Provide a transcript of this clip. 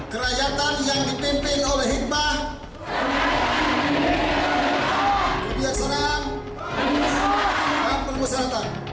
empat kerajaan yang ditempel oleh hikmah kegiatan seram dan pengusahaan